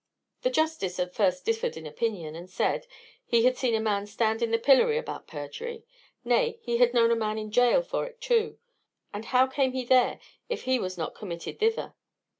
The justice at first differed in opinion, and said, "He had seen a man stand in the pillory about perjury; nay, he had known a man in gaol for it too; and how came he there if he was not committed thither?"